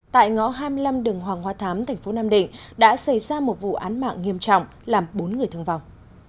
tại ngõ hai mươi năm đường hoàng hoa thám thành phố nam định đã xảy ra một vụ án mạng nghiêm trọng làm bốn người thương vong